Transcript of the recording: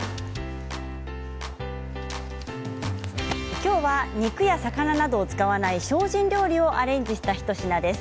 今日は肉や魚などを使わない精進料理をアレンジした一品です。